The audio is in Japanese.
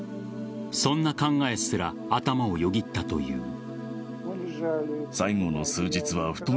そんな考えすら頭をよぎったという。